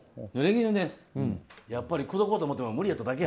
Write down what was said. やっぱり口説こうと思っても無理だっただけや。